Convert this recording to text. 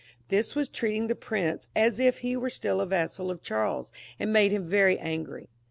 This was treating the prince as if he were still a vassal of Charles's, and made him very angry.